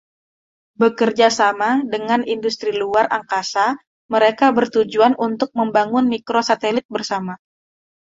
Bekerja sama dengan industri luar angkasa mereka bertujuan untuk membangun mikro satelit bersama.